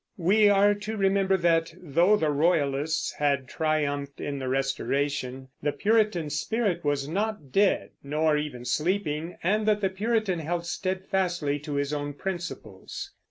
We are to remember that, though the Royalists had triumphed in the Restoration, the Puritan spirit was not dead, nor even sleeping, and that the Puritan held steadfastly to his own principles.